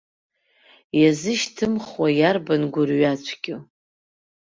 Иазышьҭымхуа иарбан гәырҩацәгьоу?